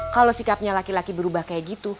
kalau sikapnya laki laki berubah kayak gitu